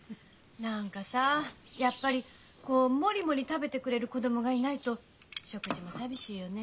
何かさぁやっぱりもりもり食べてくれる子どもがいないと食事も寂しいよね。